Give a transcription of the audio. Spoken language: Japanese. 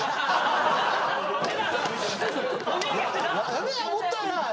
やめえやもったいない！